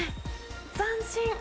斬新！